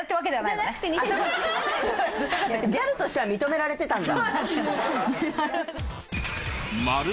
ギャルとしては認められてたんだ。